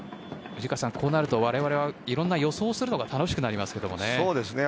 藤川さん、こうなると我々はいろいろと予想するのも楽しくなりますけどね。